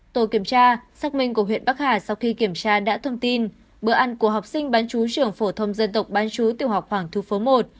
tổ kiểm tra xác minh của huyện bắc hà sau khi kiểm tra đã thông tin bữa ăn của học sinh bán chú trường phổ thông dân tộc bán chú tiểu học hoàng thu phố một